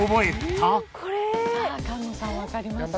さあ菅野さんわかりますか？